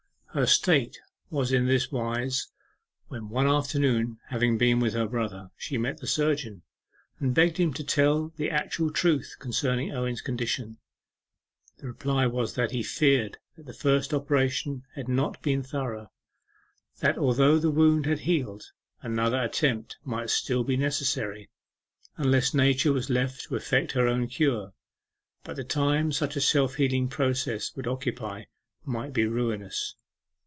Her state was in this wise, when one afternoon, having been with her brother, she met the surgeon, and begged him to tell the actual truth concerning Owen's condition. The reply was that he feared that the first operation had not been thorough; that although the wound had healed, another attempt might still be necessary, unless nature were left to effect her own cure. But the time such a self healing proceeding would occupy might be ruinous.